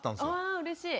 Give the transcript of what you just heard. あうれしい。